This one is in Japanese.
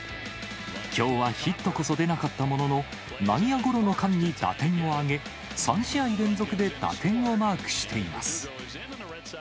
きょうはヒットこそ出なかったものの、内野ゴロの間に打点を挙げ、３試合連続で打点をマークしています。